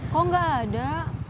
kok gak ada